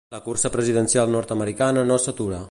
La cursa presidencial nord-americana no s’atura.